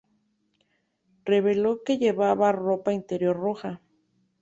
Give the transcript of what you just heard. Reveló que llevaba ropa interior roja.